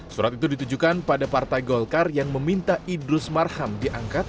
surat itu ditujukan pada partai golkar yang meminta idrus marham diangkat